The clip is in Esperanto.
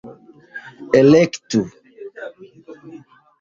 elektu